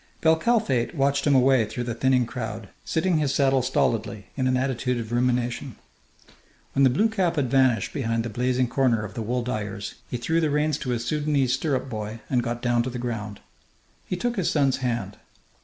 Bel Kalfate watched him away through the thinning crowd, sitting his saddle stolidly, in an attitude of rumination. When the blue cap had vanished behind the blazing corner of the wool dyers, he threw the reins to his Sudanese stirrup boy and got down to the ground. He took his son's hand.